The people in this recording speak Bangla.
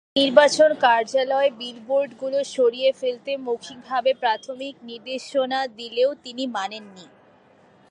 নির্বাচন কার্যালয় বিলবোর্ডগুলো সরিয়ে ফেলতে মৌখিকভাবে প্রাথমিক নির্দেশনা দিলেও তিনি মানেননি।